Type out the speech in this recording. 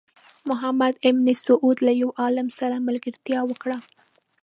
محمد بن سعود له یو عالم سره ملګرتیا وکړه.